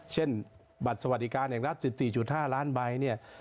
เช่นบัตรสวัสดิการแห่งรัฐ๑๔๕ล้านใบเนี่ย